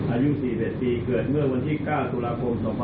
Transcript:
อายุ๔๑ปีเกิดเมื่อวันที่๙ตุลาคม๒๕๖๒